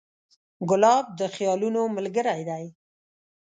ګلاب د خیالونو ملګری دی.